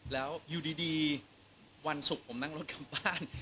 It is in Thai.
แล้วอยู่ดีวันศุกร์ผมนั่งรถกลับบ้าน